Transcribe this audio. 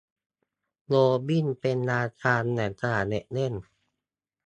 โรเบิร์ตเป็นราชาแห่งสนามเด็กเล่น